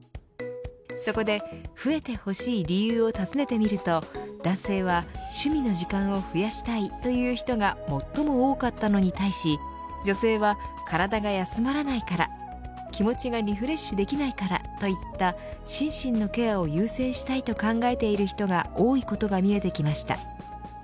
そこで、増えてほしい理由を尋ねてみると男性は趣味の時間を増やしたいという人が最も多かったのに対し女性は体が休まらないから気持ちがリフレッシュできないからといった心身のケアを優先したいと考えている人が多いことが見えてきました。